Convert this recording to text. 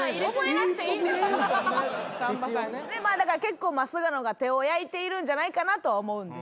だから結構菅野が手を焼いているんじゃないかなとは思うんですけど。